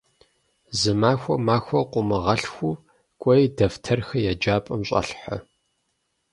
Зы махуэм махуэ къыумыгъэлъхуу, кӏуэи дэфтэрхэр еджапӏэм щӏэлъхьэ.